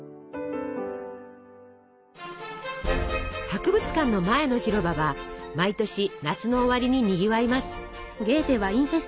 博物館の前の広場は毎年夏の終わりににぎわいます。